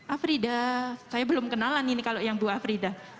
afrida saya belum kenalan ini kalau yang ibu afrida